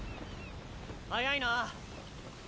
早いな。